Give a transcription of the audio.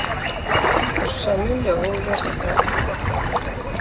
Ушчаміў яго ў вярстат.